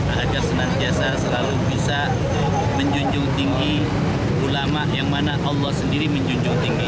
agar senantiasa selalu bisa menjunjung tinggi ulama yang mana allah sendiri menjunjung tinggi